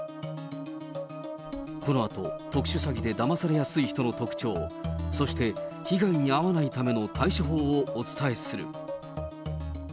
このあと特殊詐欺でだまされやすい人の特徴、そして、被害に遭わないための対処法をお伝えする。